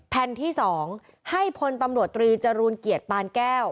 แผ่นที่๒ให้พลตำรวจตรีจรูลเกียรติปานแก้ว